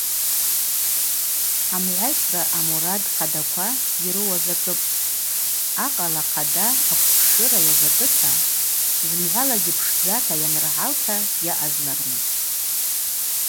Амгӏвайсра амурад хъадаква йрыуазакӏыпӏ – акъала хъада аквпшыра йазакӏыта, зымгӏвалагьи пшдзата йаныргӏалта йаъазларныс.